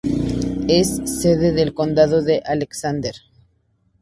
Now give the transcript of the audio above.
Es sede del condado de Alexander.